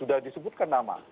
sudah disebutkan nama